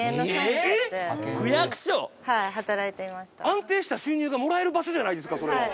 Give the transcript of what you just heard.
安定した収入がもらえる場所じゃないですかそれは。